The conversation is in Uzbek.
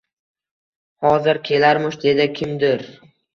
Hozir kelarmish, dedi kimdir